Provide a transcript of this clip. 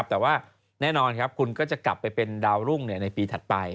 แต่ว่าแน่นอนครับคุณก็จะกลับไปเป็นดาวรุ่งในปีถัดไป